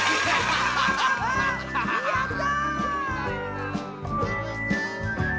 やった！